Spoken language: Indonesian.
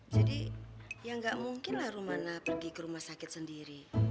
jadi ya nggak mungkin lah rumana pergi ke rumah sakit sendiri